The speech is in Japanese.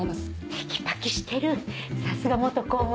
テキパキしてるさすが公務員。